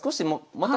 また